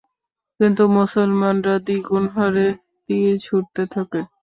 কিন্তু মুসলমানরা দ্বিগুণ হারে তীর ছুঁড়তে থাকে।